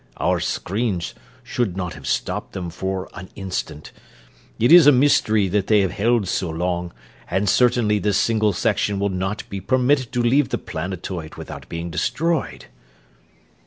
Our screens should not have stopped them for an instant. It is a mystery that they have held so long, and certainly this single section will not be permitted to leave the planetoid without being destroyed."